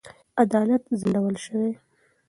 عدالت ځنډول شوی.